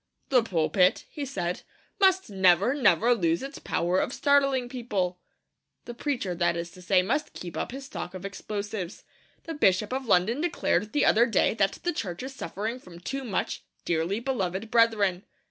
'The pulpit,' he said, 'must never, never lose its power of startling people!' The preacher, that is to say, must keep up his stock of explosives. The Bishop of London declared the other day that the Church is suffering from too much 'dearly beloved brethren.'